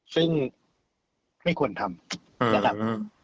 ซึ่งไม่ควรทำ